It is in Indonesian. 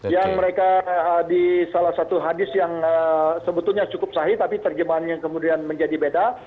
yang mereka di salah satu hadis yang sebetulnya cukup sahih tapi terjemahannya kemudian menjadi beda